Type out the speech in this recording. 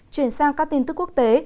chuyển sang các tin tức quốc tế